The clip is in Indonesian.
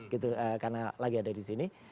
karena lagi ada di sini